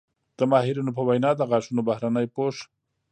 د ماهرینو په وینا د غاښونو بهرني پوښ